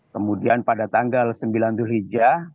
kemudian pada tanggal sembilan julhijjah